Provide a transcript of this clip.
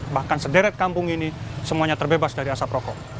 bahkan sederet kampung ini semuanya terbebas dari asap rokok